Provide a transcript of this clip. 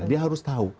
dia harus tahu